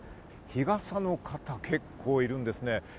日傘の方、結構いるんですね。